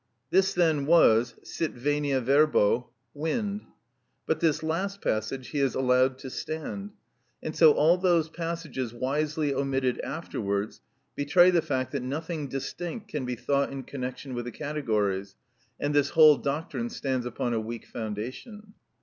This then was, sit venia verbo, wind. But this last passage he has allowed to stand. And so all those passages wisely omitted afterwards betray the fact that nothing distinct can be thought in connection with the categories, and this whole doctrine stands upon a weak foundation.